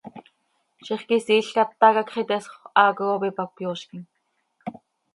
Zixquisiil quih ata quih hacx iteesxö, haaco cop ipac cöyoozquim.